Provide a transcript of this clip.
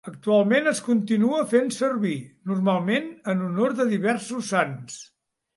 Actualment es continua fent servir, normalment en honor de diversos sants.